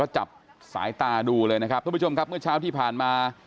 จับสายตาดูเลยนะครับทุกผู้ชมครับเมื่อเช้าที่ผ่านมา